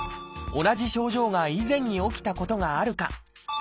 同じ症状が以前に起きたことがあるか。